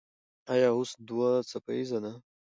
ایا اوس دوه څپیزه ده؟